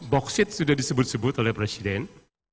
bauksit sudah disebut sebut oleh presiden